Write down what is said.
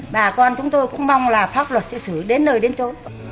bà con chúng tôi cũng mong là pháp luật sẽ xử đến nơi đến chỗ